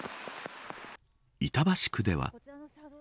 板橋区では。